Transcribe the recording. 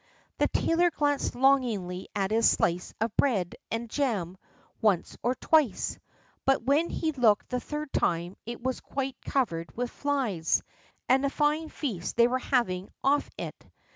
The tailor glanced longingly at his slice of bread and jam once or twice, but when he looked the third time it was quite covered with flies, and a fine feast they were having off it.